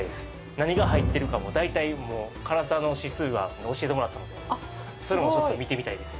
何が入ってるか大体もう辛さの指数は教えてもらったのでそういうのもちょっと見てみたいです